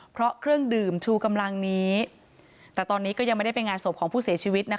เพราะเครื่องดื่มชูกำลังนี้แต่ตอนนี้ก็ยังไม่ได้ไปงานศพของผู้เสียชีวิตนะคะ